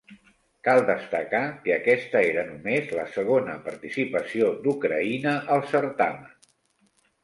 Cal destacar que aquesta era només la segona participació d'Ucraïna al certamen.